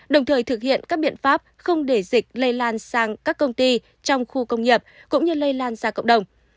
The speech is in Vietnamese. đồng thời thực hiện các biện pháp không để dịch lây lan sang các công ty trong khu công nghiệp cũng như lây lan ra cộng đồng